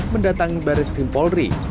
mendatangi baris krim polri